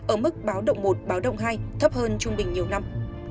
ở mức báo động một báo động hai thấp hơn trung bình nhiều năm